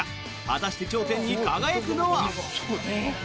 果たして頂点に輝くのは？